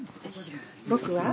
僕は？